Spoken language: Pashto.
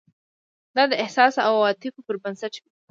دا د احساس او عواطفو پر بنسټ وي.